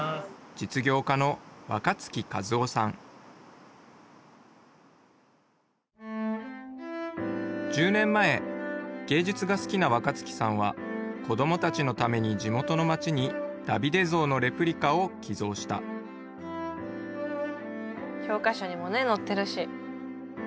実業家の１０年前芸術が好きな若槻さんは子どもたちのために地元の町にダビデ像のレプリカを寄贈した教科書にもね載ってるし。